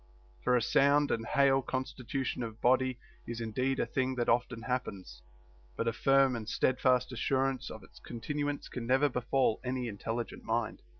For a sound and hale constitution of body is indeed a thing that often happens, but a firm and steadfast assurance of its continu ance can never befall any intelligent mind.